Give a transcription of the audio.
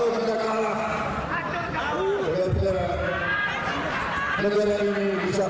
kita tidak boleh kalah